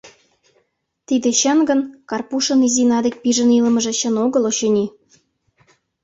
Тиде чын гын, Карпушын Изина дек пижын илымыже чын огыл, очыни.